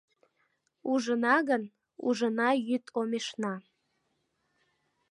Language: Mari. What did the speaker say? Ужына гын, ужына йӱд омешна